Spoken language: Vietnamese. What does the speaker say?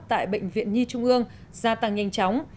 tại bệnh viện nhi trung ương gia tăng nhanh chóng